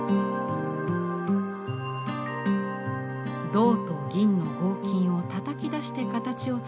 銅と銀の合金をたたき出して形を作り